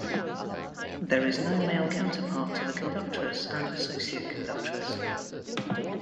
There is no male counterpart to the Conductress and Associate Conductress.